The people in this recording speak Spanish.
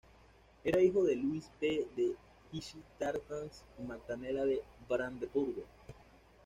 Era hijo de Luis V de Hesse-Darmstadt y Magdalena de Brandeburgo.